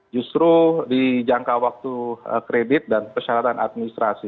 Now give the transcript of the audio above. justru di jangka waktu kredit dan persyaratan administrasi